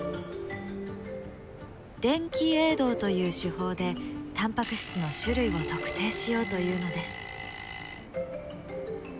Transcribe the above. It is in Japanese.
電気泳動という手法でタンパク質の種類を特定しようというのです。